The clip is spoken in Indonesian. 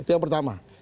itu yang pertama